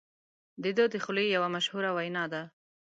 د ده د خولې یوه مشهوره وینا ده.